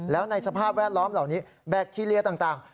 แล้วในสภาพแวดล้อมเหล่านี้แบคทีเรียต่าง